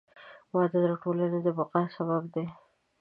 • واده د ټولنې د بقا سبب دی.